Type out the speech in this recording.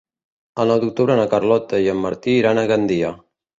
El nou d'octubre na Carlota i en Martí iran a Gandia.